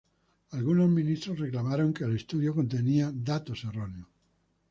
Algunos ministros reclamaron que el estudio contenía datos erróneos.